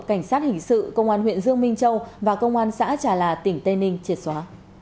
cảnh sát hình sự công an huyện dương minh châu và công an xã trà là tỉnh tây ninh triệt xóa